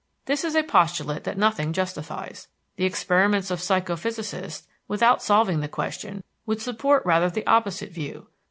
This is a postulate that nothing justifies. The experiments of psychophysicists, without solving the question, would support rather the opposite view.